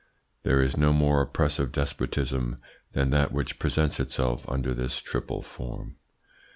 There is no more oppressive despotism than that which presents itself under this triple form.